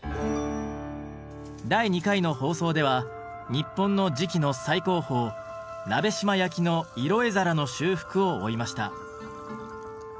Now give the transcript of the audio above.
第２回の放送では日本の磁器の最高峰鍋島焼の色絵皿の修復を追いました。